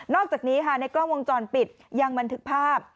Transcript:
อกจากนี้ค่ะในกล้องวงจรปิดยังบันทึกภาพ